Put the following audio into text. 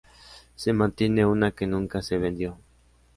Se mantiene una que nunca se vendió.